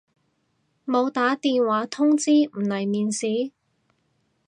冇打電話通知唔嚟面試？